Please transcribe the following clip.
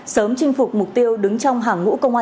sớm chinh phục mục tiêu đứng trong hàng ngũ công an